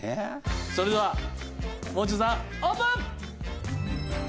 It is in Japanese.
それではもう中さんオープン！